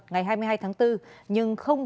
ngày hai mươi hai tháng bốn nhưng không